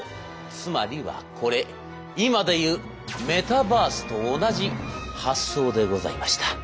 つまりはこれ今でいうメタバースと同じ発想でございました。